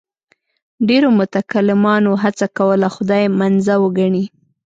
ډېرو متکلمانو هڅه کوله خدای منزه وګڼي.